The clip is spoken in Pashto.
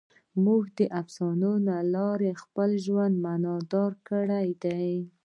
موږ د افسانو له لارې خپل ژوند معنیدار کړی دی.